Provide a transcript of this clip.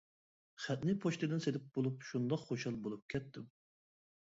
خەتنى پوچتىدىن سېلىپ بولۇپ شۇنداق خۇشال بولۇپ كەتتىم.